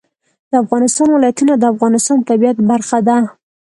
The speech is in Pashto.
د افغانستان ولايتونه د افغانستان د طبیعت برخه ده.